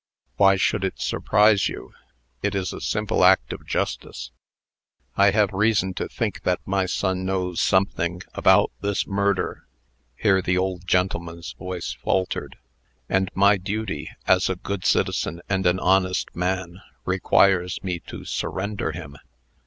"Why should it surprise you? It is a simple act of justice. I have reason to think that my son knows something about this murder" (here the old gentleman's voice faltered); "and my duty, as a good citizen and an honest man, requires me to surrender him.